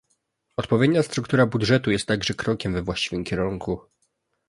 Odpowiednia struktura budżetu jest także krokiem we właściwym kierunku